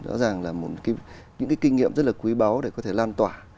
rõ ràng là những cái kinh nghiệm rất là quý báu để có thể lan tỏa